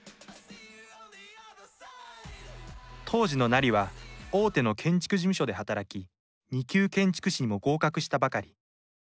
当時のなりは大手の建築事務所で働き２級建築士にも合格したばかり。